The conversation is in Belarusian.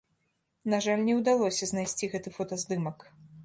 На жаль, не ўдалося знайсці гэты фотаздымак.